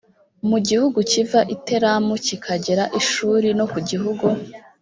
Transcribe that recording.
mu gihugu kiva i telamu kikagera i shuri no ku gihugu